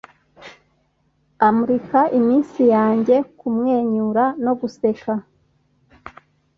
amurika iminsi yanjye kumwenyura no guseka